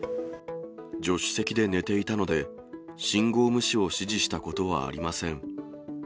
助手席で寝ていたので、信号無視を指示したことはありません。